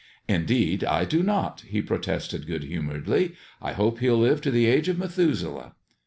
"Indeed I do not," he protested good humouredly. "I hope he'll live to the age of Methuselah.